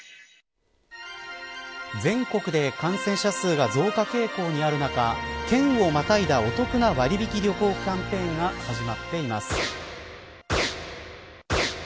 全国で感染者数が増加傾向にある中県をまたいだお得な割引旅行キャンペーンが始まっています。